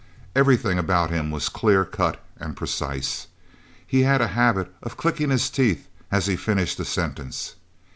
Everything about him was clear cut and precise. He had a habit of clicking his teeth as he finished a sentence.